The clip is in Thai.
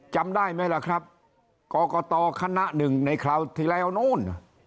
จำได้ไหมล่ะครับกรกตคณะหนึ่งในคราวที่แล้วนู้น